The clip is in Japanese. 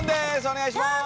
お願いします！